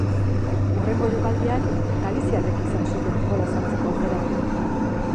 Hurrengo jokaldian galiziarrek izan zuten gola sartzeko aukera.